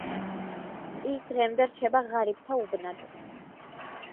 ის დღემდე რჩება ღარიბთა უბნად.